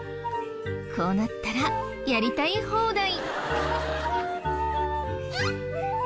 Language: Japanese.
こうなったらやりたい放題。